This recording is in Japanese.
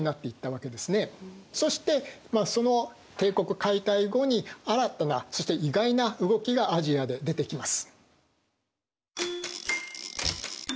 そしてその帝国解体後に新たなそして意外な動きがアジアで出てきます。